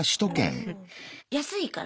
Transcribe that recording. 安いから？